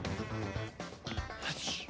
よし！